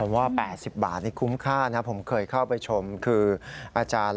ว่า๘๐บาทนี่คุ้มค่านะผมเคยเข้าไปชมคืออาจารย์